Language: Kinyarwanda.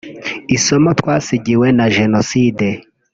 Isomo Twasigiwe Na Jenoside